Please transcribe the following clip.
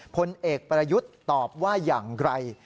พลเอกประยุทธ์ตอบว่าอย่างไร